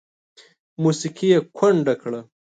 موسیقي یې کونډه کړه